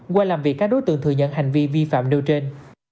qua làm việc các đối tượng thừa nhận hành vi vi phạm nêu trên